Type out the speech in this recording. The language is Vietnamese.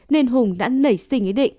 nên hùng đã nảy sinh ý định